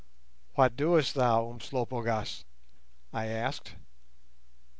"What doest thou, Umslopogaas?" I asked.